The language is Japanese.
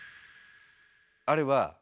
あれは。